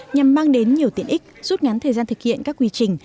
nhằm mang đến nhiều tiện ích rút ngắn thời gian thực hiện các quy trình